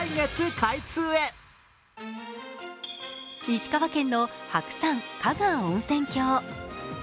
石川県の白山加賀温泉郷。